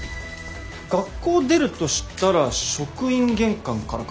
学校出るとしたら職員玄関からか。